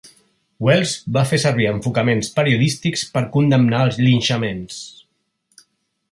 Wells va fer servir enfocaments periodístics per condemnar els linxaments.